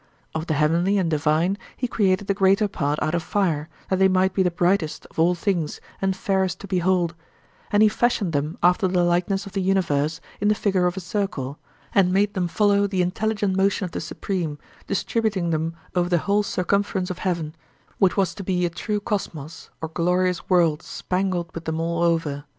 Of the heavenly and divine, he created the greater part out of fire, that they might be the brightest of all things and fairest to behold, and he fashioned them after the likeness of the universe in the figure of a circle, and made them follow the intelligent motion of the supreme, distributing them over the whole circumference of heaven, which was to be a true cosmos or glorious world spangled with them all over.